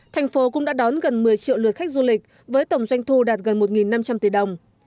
thành phố cũng đã đón gần một mươi triệu lượt khách du lịch với tổng doanh thu đạt gần một năm trăm linh tỷ đồng